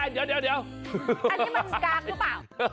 อันนี้มันกลางหรือเปล่า